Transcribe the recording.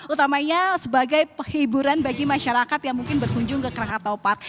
utamanya sebagai perhiburan bagi masyarakat yang mungkin berkunjung ke krakatau park